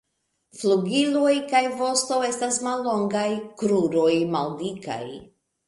Flugiloj kaj vosto estas mallongaj, kruroj maldikaj.